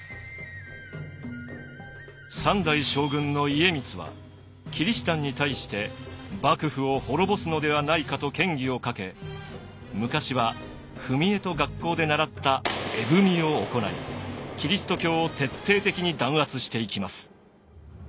三代将軍の家光はキリシタンに対して幕府を滅ぼすのではないかと嫌疑をかけ昔は踏み絵と学校で習った絵踏を行いキリスト教を徹底的に弾圧していきます。